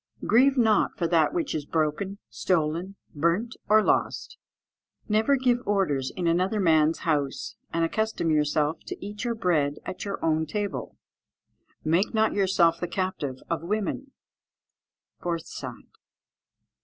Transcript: _ "Grieve not for that which is broken, stolen, burnt, or lost. "Never give orders in another man's house; and accustom yourself to eat your bread at your own table. "Make not yourself the captive of women." _Fourth side.